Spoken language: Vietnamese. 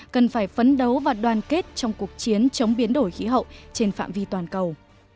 cần phải phấn đấu và đoàn kết trong cuộc chiến chống biến đổi khí hậu trên phạm vi toàn cầu